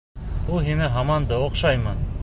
Ул һиңә һаман да оҡшаймы?..